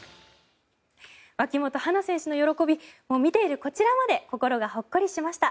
脇元華選手の喜び見ているこちらまで心がほっこりしました。